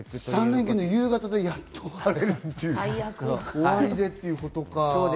３連休の夕方でやっと終わるということか。